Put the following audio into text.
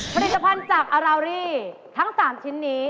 ผลิตภัณฑ์จากอารารี่ทั้ง๓ชิ้นนี้